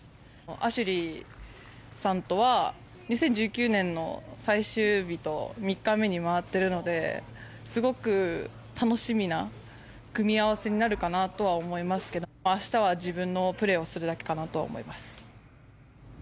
アシュリーさんとは２０１９年の最終日と３日目に回っているのですごく楽しみな組み合わせになるかなとは思いますけど明日は自分のプレーをするだけかなとは思います。